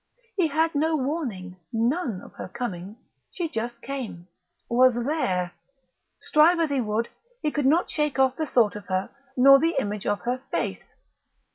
He had no warning, none, of her coming; she just came was there. Strive as he would, he could not shake off the thought of her nor the image of her face.